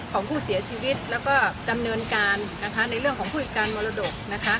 ของผู้เสียชีวิตแล้วก็ดำเนินการนะคะในเรื่องของผู้จัดการมรดกนะคะ